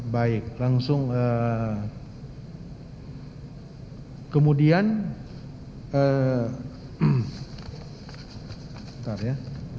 baik langsung kemudian sebentar ya